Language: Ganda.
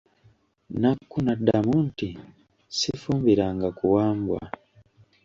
Nakku n'addamu nti, Sifumbiranga ku Wambwa.